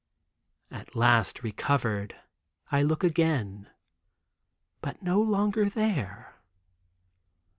At last recovered I look again; but no longer there.